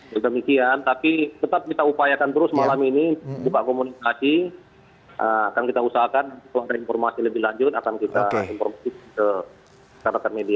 ya demikian tapi tetap kita upayakan terus malam ini buka komunikasi akan kita usahakan untuk informasi lebih lanjut akan kita informasi ke kerajaan medis